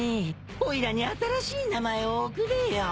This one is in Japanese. おいらに新しい名前をおくれよ。